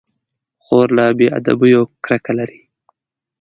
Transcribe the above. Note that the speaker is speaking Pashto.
خور له بې ادبيو کرکه لري.